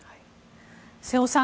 瀬尾さん